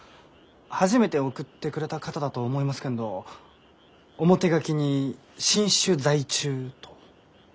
初めて送ってくれた方だと思いますけんど表書きに「新種在中」と。